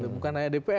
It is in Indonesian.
bukan hanya dpr